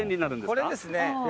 これですね。